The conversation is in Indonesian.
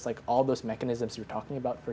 dan seperti semua mekanisme yang anda sebutkan